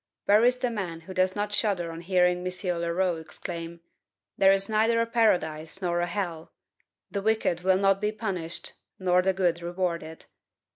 Where is the man who does not shudder on hearing M. Leroux exclaim, "There is neither a paradise nor a hell; the wicked will not be punished, nor the good rewarded.